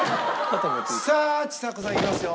さあちさ子さんいきますよ。